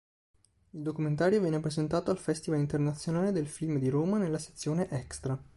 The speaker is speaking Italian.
Il documentario viene presentato al Festival internazionale del film di Roma nella sezione Extra.